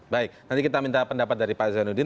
baik nanti kita minta pendapat dari pak zainuddin